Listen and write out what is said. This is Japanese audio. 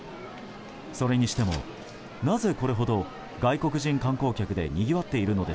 それにしても、なぜこれほど外国人観光客でにぎわっているのか。